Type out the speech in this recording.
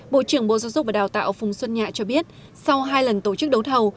bộ trưởng bộ giáo dục và đào tạo phùng xuân nhạ cho biết sau hai lần tổ chức đấu thầu